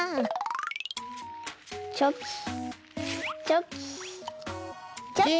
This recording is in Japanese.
チョキチョキチョキ。